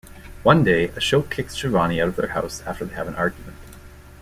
One day, Ashok kicks Shivani out of their house after they have an argument.